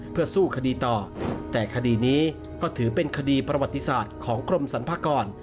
เพื่อสู้คดีต่อแต่คดีนี้ก็ถือเป็นคดีประวัติศาสตร์ของกรมสรรพากร